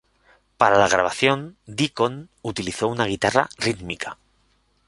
Para la grabación Deacon utilizó una guitarra rítmica.